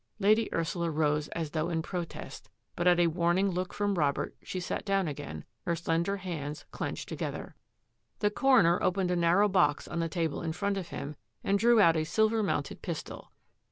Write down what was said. Lady Ursula rose as though in protest, but at a warning look from Robert she sat down again, her slender hands clenched together. The coroner opened a narrow box on the table in front of him and drew out a silver mounted pistol.